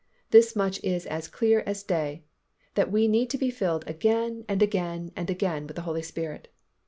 This much is as clear as day, that we need to be filled again and again and again with the Holy Spirit.